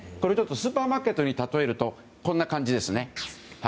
スーパーマーケットに例えるとこんな感じですね。